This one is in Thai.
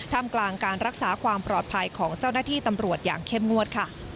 ทำกลางการรักษาความปลอดภัยของเจ้าหน้าที่ตำรวจอย่างเข้มงวดค่ะ